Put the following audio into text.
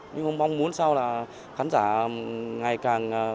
nhưng không mong muốn sao là khán giả ngày càng